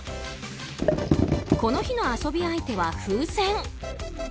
この日の遊び相手は風船。